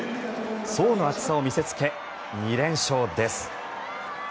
層の厚さを見せつけ２連勝です。